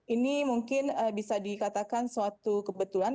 ini mungkin bisa dikatakan suatu kebetulan